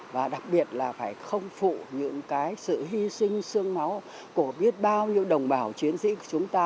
và đặc biệt là phải không phụ những cái sự hy sinh sương máu của biết bao nhiêu đồng bào chiến sĩ của chúng ta